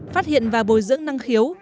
phát hiện và bồi dưỡng năng khiếu